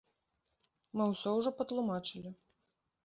Мы ўсё ўжо патлумачылі.